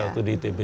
waktu di itb